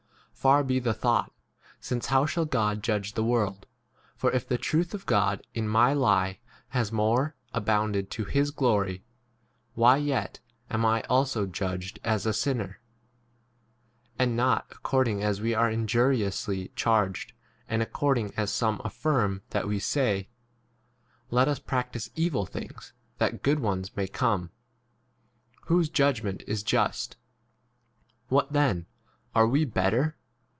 Far be the thought : since how shall God judge the world ? 7 For if the truth of God in my lie has more 1 abounded to his glory, why yet am I also judged as a 8 sinner ? and not, according as we are injuriously charged, and ac cording as some affirm that we say, Let us practise 'evil things, that good ones may come ? whose judgment is just. 9 What then ? are we better